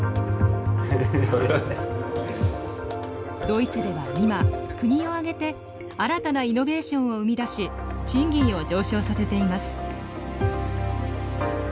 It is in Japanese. ドイツでは今国を挙げて新たなイノベーションを生み出し賃金を上昇させています。